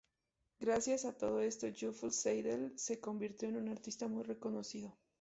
Gracias a todo esto Josef Seidel se convirtió en un artista muy reconocido.